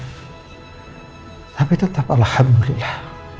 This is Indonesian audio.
tapi tetap alhamdulillah